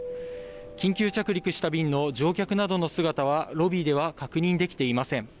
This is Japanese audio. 緊急着陸した便の乗客などの姿はロビーでは確認できていません。